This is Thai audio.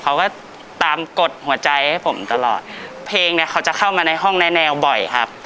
เขาก็ตามกดหัวใจให้ผมตลอดเพลงเนี้ยเขาจะเข้ามาในห้องในแนวบ่อยครับ